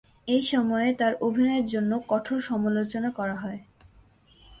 এই সময়ে, তার অভিনয়ের জন্য কঠোর সমালোচনা করা হয়।